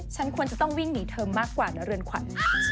ฉันควรจะต้องวิ่งหนีเธอมากกว่านะเรือนขวัญ